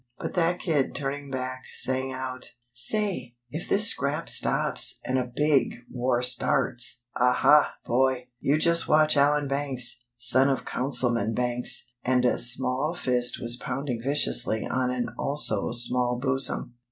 But that kid, turning back, sang out: "Say!! If this scrap stops, and a big war starts, Aha, boy! You just watch Allan Banks! Son of Councilman Banks!!" and a small fist was pounding viciously on an also small bosom.